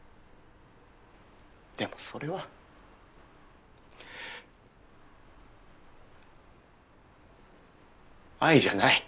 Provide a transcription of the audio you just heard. でもそれは愛じゃない。